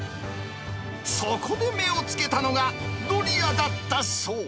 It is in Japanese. そこで目をつけたのがドリアだったそう。